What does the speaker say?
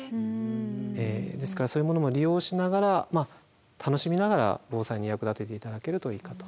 ええですからそういうものも利用しながら楽しみながら防災に役立てて頂けるといいかと思います。